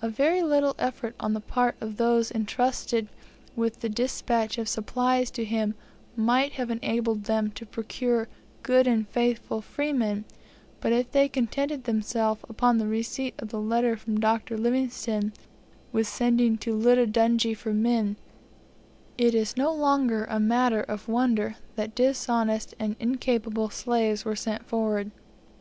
A very little effort on the part of those entrusted with the despatch of supplies to him might have enabled them to procure good and faithful freemen; but if they contented themselves, upon the receipt of a letter from Dr. Livingstone, with sending to Ludha Damji for men, it is no longer a matter of wonder that dishonest and incapable slaves were sent forward.